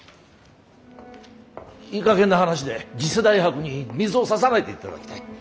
いいかげんな話で次世代博に水をささないでいただきたい！